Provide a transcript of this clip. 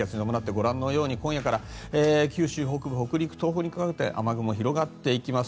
ご覧のように、今夜から九州北部、北陸、東北にかけて雨雲が広がっていきます。